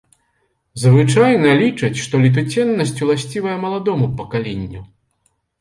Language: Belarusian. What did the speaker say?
Звычайна лічаць, што летуценнасць ўласцівая маладому пакаленню.